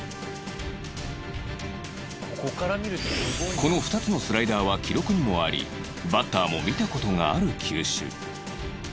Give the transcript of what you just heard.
この２つのスライダーは記録にもありバッターも見た事がある球種